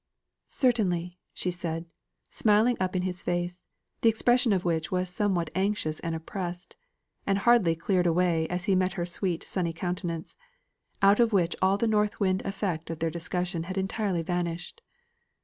"Certainly," said she, smiling up in his face, the expression of which was somewhat anxious and oppressed, and hardly cleared away as he met her sweet sunny countenance, out of which all the north wind effect of their discussion had entirely vanished.